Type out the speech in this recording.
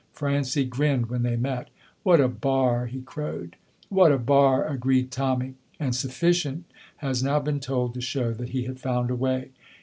Francie grinned when they met. "What a bar!" he crowed. "What a bar!" agreed Tommy, and sufficient has now been told to show that he had found a way.